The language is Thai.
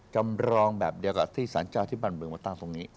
จำรองแบบเดียวกับที่สารเจ้าที่บ้านเมืองมาตั้งตรงนี้